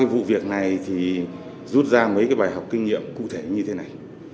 vụ việc này thì rút ra mấy cái bài học kinh nghiệm cụ thể như thế này